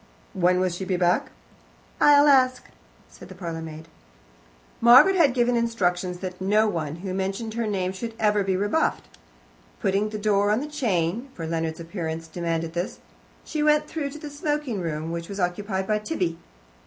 "When will she be back?" "I'll ask," said the parlourmaid. Margaret had given instructions that no one who mentioned her name should ever be rebuffed. Putting the door on the chain for Leonard's appearance demanded this she went through to the smoking room, which was occupied by Tibby.